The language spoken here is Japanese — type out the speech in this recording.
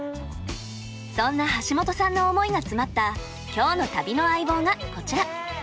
そんな橋本さんの思いが詰まった今日の旅の相棒がこちら。